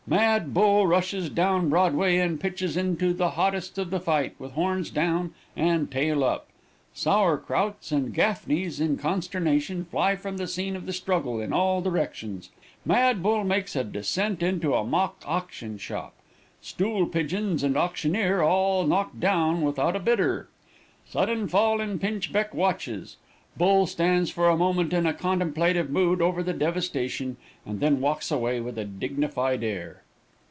Mad bull rushes down Broadway and pitches into the hottest of the fight, with horns down and tail up. Sour Krouts and Gaffneys in consternation fly from the scene of the struggle in all directions. Mad bull makes a descent into a mock auction shop. Stool pigeons and auctioneer all knocked down without a bidder. Sudden fall in pinchbeck watches. Bull stands for a moment in a contemplative mood over the devastation, and then walks away with a dignified air.